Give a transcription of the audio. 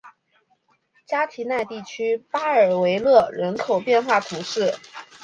加提奈地区巴尔维勒人口变化图示